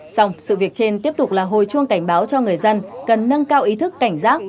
xong sự việc trên tiếp tục là hồi chuông cảnh báo cho người dân cần nâng cao ý thức cảnh giác